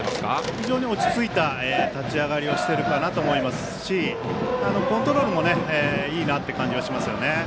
非常に落ち着いた立ち上がりをしているかなと思いますしコントロールもいいなという感じはしますよね。